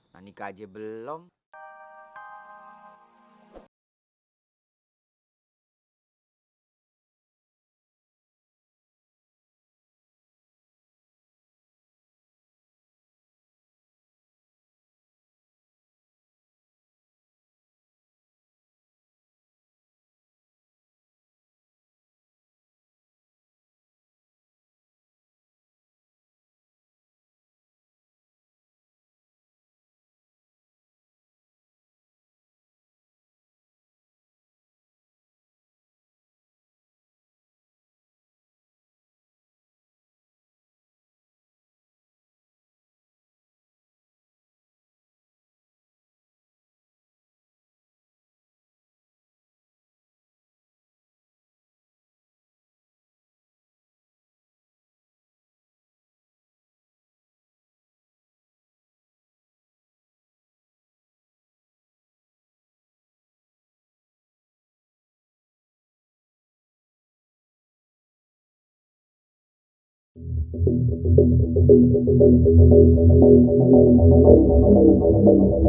gak mungkin gak cari cowok